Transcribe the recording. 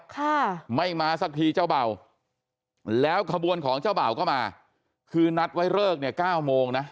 ค่ะไม่มาสักทีเจ้าเบ่าแล้วขบวนของเจ้าเบ่าก็มาคือนัดไว้เลิกเนี่ยเก้าโมงนะ